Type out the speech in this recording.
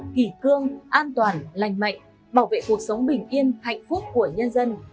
kỳ cương an toàn lành mạnh bảo vệ cuộc sống bình yên hạnh phúc của nhân dân